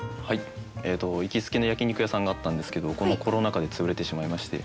行きつけの焼き肉屋さんがあったんですけどこのコロナ禍で潰れてしまいまして